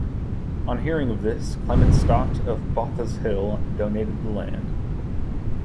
On hearing of this Clement Stott of Botha's Hill donated of land.